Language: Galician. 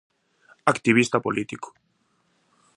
Activista político.